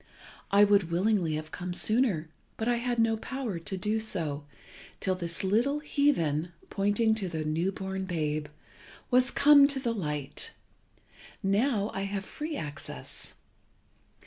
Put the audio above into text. I would willingly have come sooner, but I had no power to do so, till this little heathen (pointing to the new born babe) was come to the light. Now I have free access.